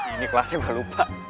ini kelasnya gue lupa